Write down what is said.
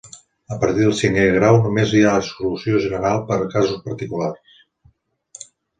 A partir del cinquè grau només hi ha solució general per a casos particulars.